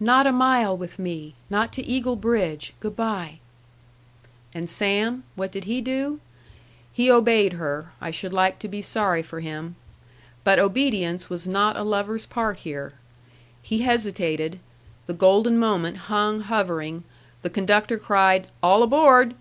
"Not a mile with me. Not to Eagle Bridge. Good by." And Sam what did he do? He obeyed her, I should like to be sorry for him. But obedience was not a lover's part here. He hesitated, the golden moment hung hovering, the conductor cried "All aboard!"